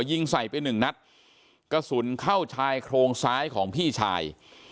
ยิงใส่ไปหนึ่งนัดกระสุนเข้าชายโครงซ้ายของพี่ชาย